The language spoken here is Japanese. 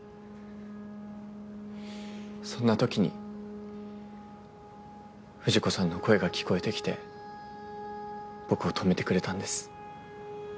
そんな時に藤子さんの声が聞こえてきて僕を止めてくれたんです。